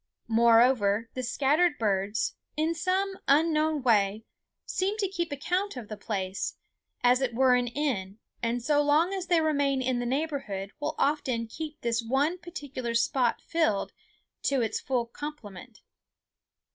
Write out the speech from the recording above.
Moreover, the scattered birds, in some unknown way, seem to keep account of the place, as if it were an inn, and so long as they remain in the neighborhood will often keep this one particular spot filled to its full complement.